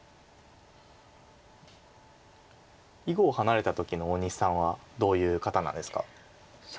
囲碁を離れた時の大西さんはどういう方なんですか？